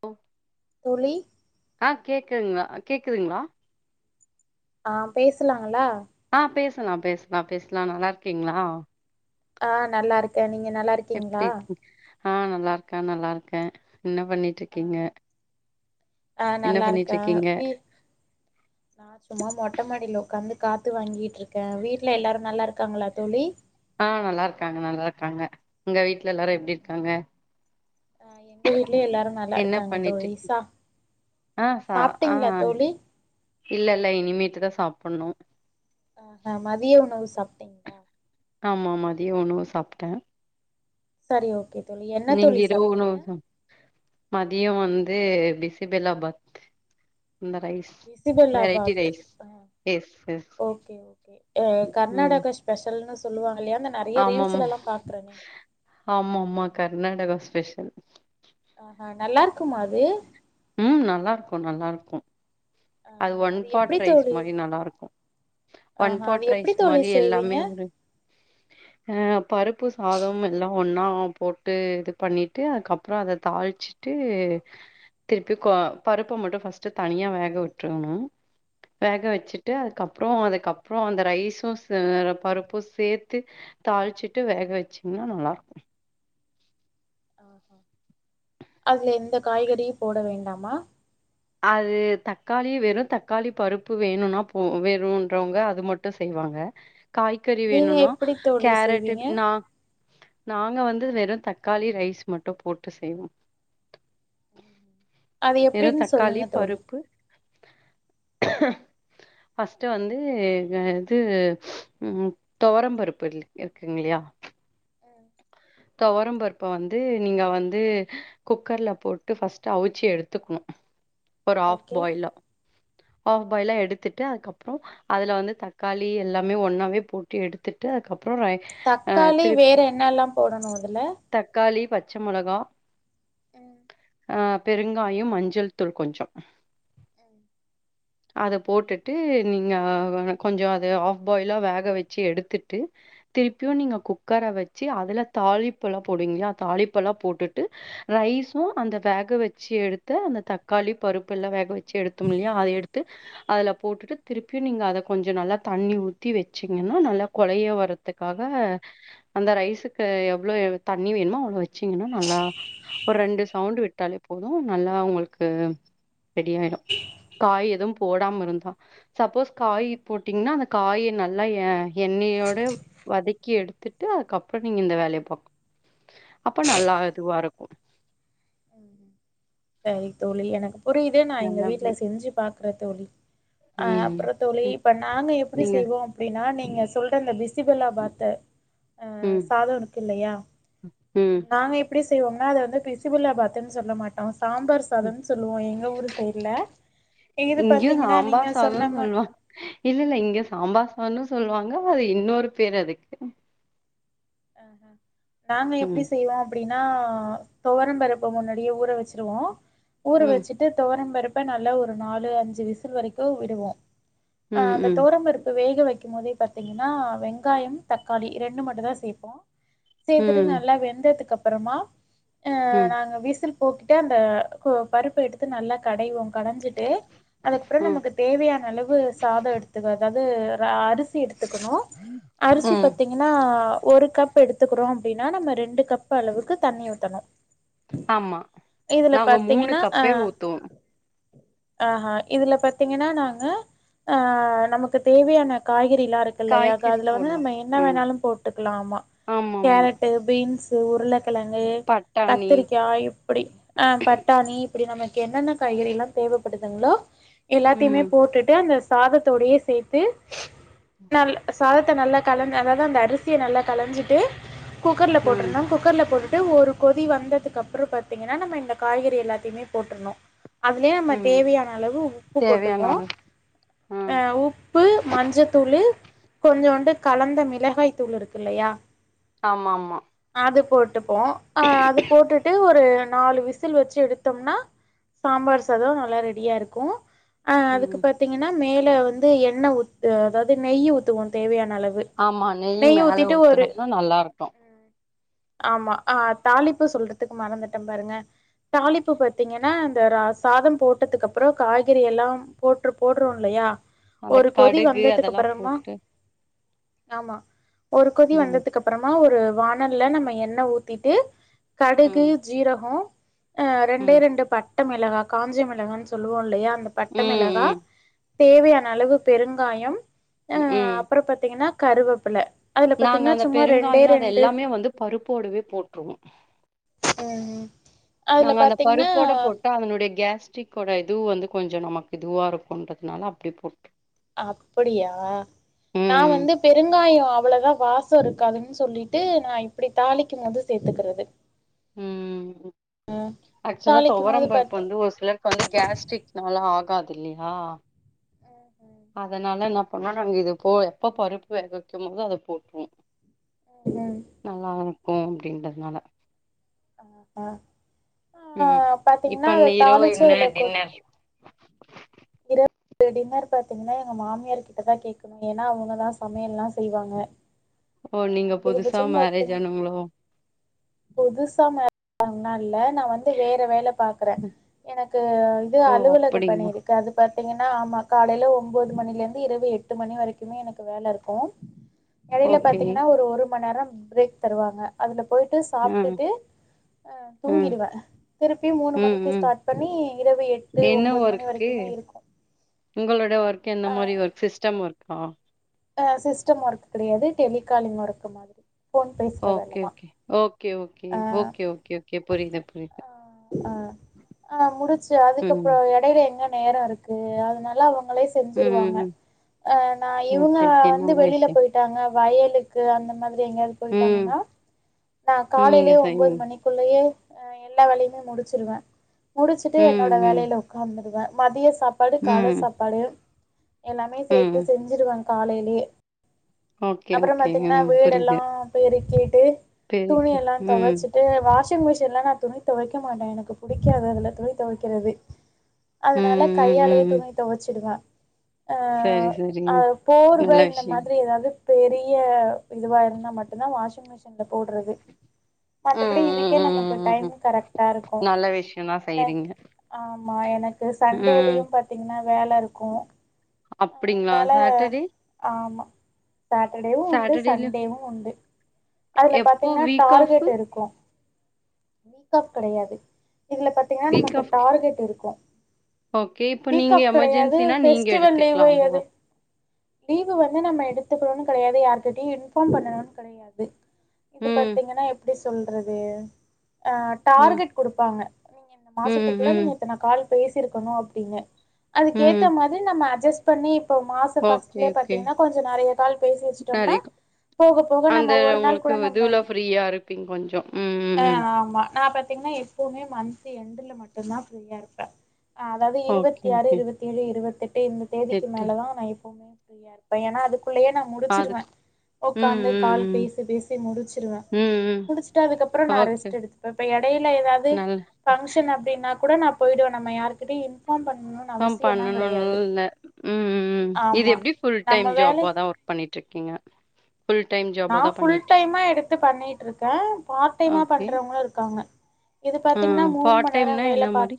ஓ தோழி ஆ கேக்குதுங்களா கேக்குதுங்களா ஆ பேசலாங்களா ஆ பேசலா பேசலா பேசலா நல்லாருக்கீங்களா ஆ நல்லாருக்கே நீங்க எப்டி நல்லாருக்கீங்களா இருக்கீங் ஆ நல்லாருக்கே நல்லாருக்கே என்ன ஆ பண்ணிட்டுருக்கீங்க ஆ என்ன நல்லா இருக்கே பண்ணிட்டிருக்கீங்க வீ நா சும்மா மொட்ட மாடியில உக்காந்து காத்து வாங்கிட்டிருக்கே வீட்ல எல்லாரு நல்லாருக்காங்களா தோழி ஆ நல்லாருக்காங்க நல்லாருக்காங்க உங்க வீட்ல ஆ எல்லாரு எப்படி இருக்காங்க எங்க வீட்லயே எல்லாரு என்ன நல்லாருக்காங்க தோழி பண்ணிட்ருக்கீங் சா ஆ சா ஆ சாப்பிட்டீங்களா தோழி இல்ல இல்ல இனிமேட்டு தா சாப்பிடணு ஆ மதிய உணவு சாப்ட்டே ஆமாமா மதிய உணவு சாப்பிட்டே சரி ஓகே தோழி என்ன நீங்க தோழி இரவு சாப்பிட்டிங்க உணவு சாப் மதிய வந்து பிசிபலாபாத் அந்த ரைஸ் வெரைட்டி பிசிபலாபாத் ரைஸ் அ எஸ் எஸ் ஓகே ஓகே ம் கர்நாடக ஸ்பெஷல்ன்னு சொல்லுவாங்கல்லையா நெறைய ரீல்ஸ் எல்லா பாக்குறேனே ஆமாமா கர்நாடகா ஸ்பெஷல் ஆஹா நல்லாருக்குமா அது ம் நல்லாருக்கு நல்லாருக்கு அது ஆஹா ஒன் பாட் எப்டி ரைஸ் தோழி மாறி நல்லாருக்கும் ஆஹா அது ஒன்பாட் எப்டி ரைஸ் தோழி மாறி செய்வீங்க எல்லாமே ஒரு அ பருப்பு சாத எல்லா ஒன்னா போட்டு இது பண்ணிட்டு அதுக்கப்புறோ அதை தாளிச்சி சிட்டு திருப்பி பருப்ப மட்டு ஃபர்ஸ்ட்டு தனியா வேக விட்டுரணு வேக வச்சுட்டு அதுக்குப்புறோ அப்புறோ அதுக்கப்புறோ அந்த ரைஸு பருப்பு சேத்து தாள்சிட்டு வேக வெச்சிங்னா நல்லா இருக்கோ [inaudible] அதுல எந்த காய்கறியு போட வேண்டாமா அது தக்காளி வெறு தக்காளி பருப்பு வேணும்னா போ வேணுன்றவங்க அது மட்டு செய்வாங்க காய்கறி நீங்க வேணும்னா எப்டி தோழி கேரட்டு செய்வீங்க நா நாங்க வந்து வெறு தக்காளி ரைஸ் மட்டு போட்டு செய்வோ அது வெறு எப்டின்னு தக்காளி சொல்லுங்க தோழி பருப்பு ஃபர்ஸ்ட் வந்து க இது ம் துவரம் பருப்பு இருக்குங்க இல்லையா துவரம்பருப்ப வந்து நீங்க வந்து குக்கர்ல போட்டு ஃபர்ஸ்ட் அவிச்சி எடுத்துக்கணு ஒரு ஆஃப் ஓகே பாயிலா ஆஃப் பாயிலா எடுத்துட்டு அதுக்கப்றோ அதுல வந்து தக்காளி எல்லாமே ஒன்னாவே போட்டு எடுத்துட்டு அதுக்கப்றோ ரை ஆ திருப் என்ன எல்லாம் போடணு அதுல தக்காளி பச்ச மொளகா ம் ஆ பெருங்காயம் மஞ்சள் தூள் கொஞ்சோ அத போட்டுட்டு நீங்க கொஞ்சோ அத ஆஃப் பாயிலா வேக வெச்சி எடுத்துட்டு திருப்பியு நீங்க குக்கர வெச்சி அதுல தாளிப்பெல்லா போடுவிங்க இல்லையா அதுல தாளிப்பெல்லா போட்டுட்டு ரைஸும் அந்த வேக வெச்சி எடுத்து அந்த தக்காளி பருப்பு எல்லா வேக வெச்சி எடுத்தோ இல்லையா அத எடுத் ட்டு அதுல போட்டுட்டு திருப்பியு நீங்க அத கொஞ்சோ நல்லா தண்ணி ஊத்தி வெச்சிங்கன்னா நல்லா கொலைய வர த்துக்காக அந்த ரைஸுக்கு எவ்ளோ தண்ணி வேணுமோ அவ்ளோ வெச்சீங்கன்னா நல்லா ஒரு ரெண்டு சவுண்டுவிட்டாலே போது நல்லா உங்களுக்கு ரெடி ஆயிடு காய் எதும் போடாம இருந்தா சப்போஸ் காயி போட்டீங்கன்னா அந்த காய நல் நல்லா எ எண்ணெயோட வதக்கி எடுத்துட்டு அக்கப்றோ நீங்க இந்த வேலய பாக்கும் அப்ப நல்லா இதுவா இருக்கு ம் செரி தோழி எனக்கு புரியிது நா எங்க நல்லா வீட்ல செஞ்சி பாக் குற தோழி அ ம் அப்றோ தோழி ம் இப்ப நாங்க எப்டி நீங்க செய்வோ அப் அப்டின்னா நீங்க சொல்ற இந்த பிசிபெலாபாத்த அ ம் சாதோ இருக்கு இல்லையா ம் நாங்க எப்டி செய்வோம்னா அத வந்து பிசி பிஸிபெளாபாத்துன்னு சொல்ல மாட்டோ சாம்பாரு சாதோன்னு சொல்வோ எங்க ஊர் சைடுல இது இங்கேயு பாத்தீங்கன்னா நீங்க சாம்பார் சொன்ன சாதோன்னு மா சொல்லுவா இல்ல இல்ல இங்க சாம்பார் சாதோன்னு சொல்லுவாங்க அது இன்னொரு பேர் அதுக்கு அ அ நாங்க எப்டி ம் செய்வோ எப்டின்னா துவரம்பருப்பு முன்னாடியே ஊற வெச்சிருவோ ஊற ம் வெச்சி ட்டு துவரம்பருப்ப நல்லா ஒரு நாலு அஞ்சி விசில் வரைக்கு விடுவோ அ ம் அந்த ம் துவரம்பருப்பு வேக வைக்கும் போதே பாத்தீங்கன்னா வெங்காயம் தக்காளி ரெண்டு மட்டு தா சேப் போ சேத்துட்டு ம் நல்லா வெந்ததுக்கு அப்றமா அ ம் நாங்க விசில் போக்கிட்டு அந்த கோ பருப்ப எடுத்து நல்லா கடைவோ கடஞ்சிட்டு அதுக்கப்றௌ ம் நமக்கு தேவையான அளவு சாதோ எடுத்துக்கோ அதாவது அரிசி எடுத்துக்கணு அரிசி ம் பாத்தி ங்னா ஒரு கப் எடுத்துக்கறோ அப்டின்னா நம்ம ரெண்டு கப் அளவுக்கு தண்ணி ஊத்தணு ஆமா இதுல நாங்க மூணு பாத்தீங்கன்னா அ கப்பே ஊத்துவோம் ஆ ஆ இதுல பாத்தீங்கன்னா நாங்க அ நமக்கு தேவையான காய்கறில்லா இருக்கு ல்லையா க காய்கறி அதுல வந்து போட்லாம் நம்ம என்ன ம் வேணாலும் போட்டுக்கலாமா ஆமா ஆமா கேரட்டு பீன்சு உருளக்கெழங்கு பட்டாணி கத்திரிக்காய்ப் அப்டி ஆ பட்டாணி இப்டி நமக்கு என்னென்ன காய்கறில்லா தேவப்படுதுங்ளோ எல்லாத்தையுமே ம் போட்டுட்டு அந்த சாதத்தோடையே சேத்து நல் சாதத்த நல்லா கலந்து அதாது அந்த அரிசிய நல்லா கலஞ்சிட்டு குக்கர்ல ம் போட்டுருனும் குக்கர்ல போட்டுட்டு ஒரு கொதி வந்ததுக்கு அப்ரோ பாத்தீங்கன்னா நம்ம இந்த காய்கறி எல்லாத்தையுமே போட்டுருணு அதுலயே நம்ம ம் தேவையான அளவு உப்பு தேவையான போட்டுக்கோ அளவு ஆ ம் உப்பு, மஞ்சத்தூளு கொஞ்சோண்டு கலந்த மிளகாய் தூள் இருக்கு இல்லயா ஆமா ஆமா அது போட்டுப்போ அ அத போட்டுட்டு ஒரு நாலு விசில் வச்சு எடுத்தோம்னா சாம்பார் சாதோ நல்லா ரெடியா இருக்கு ஆ அதுக்கு ம் பாத்தீங்கன்னா மேல வந்து எண்ணெ ஊத் அதாது நெய் ஊத்துவோ தேவையான அளவு ஆமா நெய்யி நெய் மேல ஊத்திட்டு ஒரு ஊத்தனும்னா நல்லா இருக்கு ஆமா ஆ தாலிப்பு சொல்றதுக்கு மறந்துட்டே பாருங்க தாளிப்பு பாத்தீங்கன்னா அந்த ர சாதம் போட்டதுக்கு அப்ரோ காய்கறி எல்லாம் போட்ரு போடுறோ இல்லையா அந்த ஒரு கொதி கடுகு வந்ததுக்கு அதெல்லாம் அப்றமா போட்டு ஆமா ஒரு கொதி ம் வந்ததுக்கு அப்றமா ஒரு வானல்ல நம்ம எண்ணெ ஊத்திட்டு கடுகு, ம் சீரகோ அ ரெண்டே ம் ரெண்டு பட் பட்ட மெளகா காஞ்ச மெளகானு சொல்லுவோ இல்லையா அந்த பட்ட மெளகா ம் தேவையான அளவு பெருங்காயம் ம் அப்புறம் பாத்தீங்கன்னா கருவப்பில அதுல நாங்க பாத்தீங்கன்னா அந்த சும்மா ரெண்டே பெருங்காயோ அத ரெண்டு எல்லாமே வந்து பருப்போடவே போட்டுருவோ ம் அதுல நாங்க அந்த பாத்தீங்ன்னா பருப்போட போட்டா அதனுடைய கேஸ்ட்ரிகிக்கோட இது வந்து கொஞ்சொ நமக்கு இதுவாக இருக்குன்றதுனால அப்டி போட்டு அப்பிடியா நான் ம் வந்து பெருங்காயோ அவ்ளோதா வாசோ இருக்காது அப்டின்னு சொல்லிட்டு நா அப்டி தாளிக்கும் போது சேத்துக்கிறது ம் ஆக்சுவலா தாளிக்கும் போது தொவரம் பருப்பு பாத்து வந்து ஒரு சிலர் இப்ப வந்து கேஸ்ட்ரிக்னால ஆகாது இல்லையா உ ஹீம் அதனால என்ன பண்ணுவோ நாங்க இத போ எப்ப பருப்பு வேகவிக்கும் போது அத போட்டுருவோ ம் நல்லா இருக்கு அப்டிங்குரதுனால ஆ ம் இப்ப பாத்தீங்கன்னா அத இந்த இரவு தாளிச்சு எண்ண அதுல கொட் டின்னர் இப்ப டின்னர் பாத்தீங்கன்னா எங்க மாமியார் கிட்ட தா கேக்கணு ஏன்னா அவங்கதா சமையல்லா செய்வாங்க. ஓ நீங்க புதுசா அதிகபட்சம்னு மேரேஜ் பாத்தீங்க ஆனவங்ளோ புதுசா மேரஜ் [inaudible] இல்ல நா வந்து வேற வேல பாக் கறே எனக்கு இது ஓ அலுவலக பணி அப்படிங்களா இருக்கு அது பாத் பாத்தீங்கன்னா ஆமா காலையில ஒம்பது மணில இருந்து இரவு எட்டு மணி வரைக்குமே எனக்கு வேல இருக்கு எடையில ஓகே பாத்தீங்கன்னா ஒரு ஒரு மணி நேரோ பிரேக் தருவாங்க அதுல போயிட்டு ஆ சாப்டுட்டு ஆ தூங்கிடுவே திருப்பியு மூணு ம் மணிக்கு ம் ஸ்டார்ட் பண்ணி இரவு எட்டு என்ன ஒன்பது மணி ஒர்க்கு வரைக்குமே இருக்கு உங்களோட ஒர்க் எந்த மாரி ஒர்க் சிஸ்டம் ஒர்க்கா அ சிஸ்டம் ஒர்க்கு கெடையாது டெலிகாலிங் ஒர்க்கு மாதிரி ஃபோன் பேசுற வேல ஓகே, தா okay. Okay okay okay okay okay புரியுது புரியுது ஆ ஆ ஆ முடிச்சு அதுக்கப்றோ ம். எடையில எங்க நேரோ இருக்கு இருக்கு அதனால அவங்களே செஞ்சிருவாங்க ம். ஆ நா இவங்க ஓகே, ஓகே. வந்து நல்ல வெளியில விஷயம். போயிட் டாங்க வயலுக்கு அந்த மாதிரி எங்காவ ம். போயிட்டாங்கன்னா நா நீங்க காலையிலயே ஒன்பது செய்வீங்க. மணிக்கு குள்ளேயே எல்லா வேலையுமே முடிச்சடுவே முடிச்சுட்டு ம், என்னோட ம். வேலையில உட்காந்துடுவே மதிய சாப்பாடு கால ம். சாப்பாடு எல்லாமே சேத்து ம். செஞ்சுடுவே காலையிலயே ஓகே, அப்றோ ஓகே. பாத்தீங்கன்னா ம். வீடு எல்லா புரியுது. பெரிக்கிட்டு துணி பெருக்கி எல்லா ம். துவைச்சிட்டு வாஷிங் மிஷின் எல்லா நா துணி துவைக்க க்க மாட்டே எனக்கு பிடிக்காது அதுல துணி துவைக்கிறதே ம், அதனால ம், ம், கையாலயே ம். துணி துவச்சிடுவே சரி, சரி. அ போர்வ நல்ல இந்த விஷயம். மாதிரி ஏதாவது பெரிய இதுவா இருந்தா மட்டுதா வாஷிங் மிஷினில்ல போட்றது ம், மத்தபடி ம், இதுக்கே நமக்கு ம், ம், டைம் ம். கரெக்ட் க்கு நல்ல விஷயம் தான் செய்றீங்க. ஆமா எனக்கு சண்டே ம். லீவ் பாத்தீங்கன்னா வேல இருக்கு அப்படிங்களா? அதனால சாட்டர்டே? ஆமா சாட்டேர்டேவு உண்டு சாட்டர்டேலயும் சண்டேவு உண்டு அதில எப்போ பாத்தீங்கன்னா வீக் ஆஃப்பு? டார்கெட் இருக்கு வீக் கெடையாது இதுல பாத்தீங்கன்னா வீக் நமக்கு ஆஃப் டார்கெட் இருக்கு ஓகே இப்ப வீக் நீங்க ஆஃப் கெடையாது எமர்ஜென்சினா நீங்க ஃபெஸ்டிவல் லீவ் எடுத்துக்கலாமா? எது லீவ் வந்து நம்ம எடுத்துக்கணும்னு கெடையாது யார்கிட்டயு இன்ஃபார்ம் பண்ணணும்னு கெடையாது இது ம், பாத்தீங்கன்னா எப்டி சொல்றது அ ம், டார்கெட் கொடுப்பாங்க நீங்க இந்த ம், மாசத்துக்குள்ள நீங்க ம், எத்தன கால் பேசிருக்கணு அப்டின்னு அதுக்கு ஏத்த ம். மாரி நம்ம அட்ஜஸ் பண்ணி இப்ப மாச ஓகே, பர்ஸ்ட்லயே ஓகே. பாத்தீங்கா கொஞ்சோ நெறைய கால் பேசி வச்சுட்டோம்னா நெறைய போக போக அந்த நம்ம ஒரு நாள் உங்களுக்கு கூட நம்ம இதுல ஃப்ரீயா இருப்பீங்க கொஞ்சம். ம், ம், ஆ ம். ஆமா நா பாத்தீங்கன்னா எப்போமே மந்த்லி எண்டல மட்டுதா ஃப்ரீயா இருப்பே ஆ அதாவது ஓகே, இருவத்தி ஆறு ஓகே. இருவத்தி ஏழு இருவத்தி எட்டு இந்த தேதிக்கு மேலதா நா எப்பவுமே ஃப்ரீயா இருக்க இப்ப ஏன்னா அதுக்குள்ளயே நா முடிச்சுருவே அதுக்கு ம், உக்காந்து ம், கால் ம். பேசி பேசி முடிச்சிருவே ம், ம். முடிச்சட்டு அதுக்கப்பறோ நா ஓகே. ரெஸ்டு எடுத்து இப்ப எடையில ஏதாவது நல்ல ஃபங்க்ஷன் அப்டினா கூட நா போயிடுவே நம்ம யாருகிட்டயு இன்ஃபார்ம் பண்ணணு இன்ஃபார்ம் பண்ணணும் லா இல்ல ம் ம் ம் இது ஆமா எப்டி ஃபுல் டைம் நம்ம வேலை ஜாபா தா பண்ணிட்டு இருக்கீங்க ஃபுல் டைம் நா ஃபுல் டைமா எடுத்து பண்ணிட்டு இருக்கே பார்ட் டைமா ஓகே. பண்றவங்களு இருக்காங்க இது ஆ பாத்தீங்கன்னா மூணு பார்ட் மணி நேரோ டைம்னா வேல என்ன பாத் மாரி?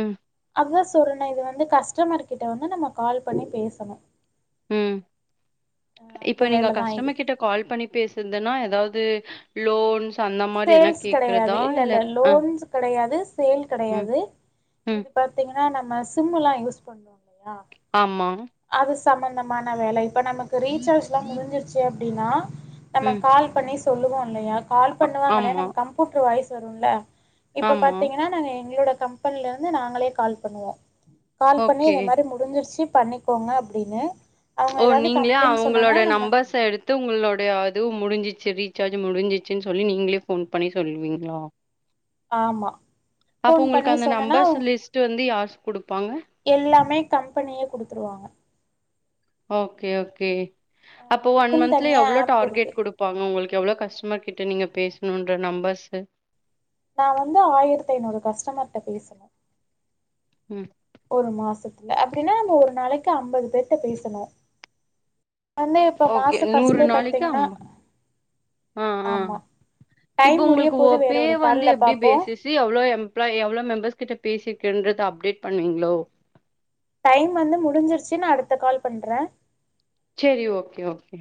ம், அதா சொல்றனே இது வந்து கஸ்டமர் கிட்ட வந்து நம்ம கால் பண்ணி பேசணு ம் அந்த இப்ப நீங்க வேலதா இது கஷ்டமர் கிட்ட கால் பண்ணி பேசறதுன்னா ஏதாவது லோன்ஸ் அந்த மாரி எதுனா சேல்ஸ் கேக்குறதா? கெடையாது இல்ல இல்ல அ, லோன்ஸ் கெடையாது சேல் ம், கெடையாது ம். இது பாத்தீங்கன்னா நம்ம சிம் எல்லா யூஸ் பண்ணோ இல்லையா ஆமா அது சம்மந்தமான வேலை இப்ப நமக்கு ரீசார்ஜ்லா முடிஞ்சிருச்சு அப்டின்னா நம்ம ம். கால் பண்ணி சொல்லுவோ இல்லையா கால் அ பண்ணுவாங்கல ஆமா, நம்ம கம்பூட்டர் வாய்ஸ் வருல்ல இப்ப ஆமா. பாத்திங்கனா நாங்க எங்களோட கம்பெனில இருந்து நாங்களே கால் பண்ணுவோ கால் பண்ணி ஓகே. இதே மாரி முடிஞ்சிருச்சு பண்ணிக்கோங்க அப்டின்னு அவங்க ஓ ஏதாவது நீங்களே கம்ப்ளைண்ட் அவங்களோட சொன்னாங்கன்னா நம்ம நம்பர்ஸ எடுத் து உங்களோடைய அதுவு முடிஞ்சிச்சு ரீசார்ஜ் முடிஞ்சிச்சுன்னு சொல்லி நீங்களே ஃபோன் பண்ணி சொல்லுவிங்ளா ஆமா. அப்ப ஃபோன் பண்ணி உங்களுக்கு அந்த சொன்னோன்னா, நம்பர்ஸ் அவங்க லிஸ்ட் வந்து யார் குடுப்பாங்க எல்லாமே கம்பெனியே குடுத்துருவாங்க ஓகே ஓகே அ அப்ப ஒன் அதுக்குன்னு மன்த்ல தனியா எவ்ளோ ஆப் இருக்கு. டார்கெட் குடுப் பாங்க உங்களுக்கு எவ்ளோ கஸ்டமர் கிட்ட நீங்க பேசணுன்ற நம்பர்ஸு நா வந்து ஆயிரத்தைநூறு கஸ்டமர்ட்ட பேசனு ம் ஒரு மாசத்துல அப்டின்னா நம்ம ஒரு நாளைக்கு அம்பது பேர்ட்ட பேசனு வந்து இப்ப ஓகே. மாச ஃபர்ஸ்ட்லே நாளைக்கு பாத்திங்கன்னா அம் ஆ ஆ ஆமா இப்போ டைம் முடிய போது வேற ஒரு கால்ல பாப்போ சி எவ்ளோ எம்ப்ளாய் எவ்ளோ மெம்பர்ஸ் கிட்ட பேசிருக்கன்றத அப்டேட் பண்ணுவிங்ளோ டைம் வந்து முடிஞ்சிருச்சி நா அடுத்த கால் பண்ற செரி ஓகே ஓகே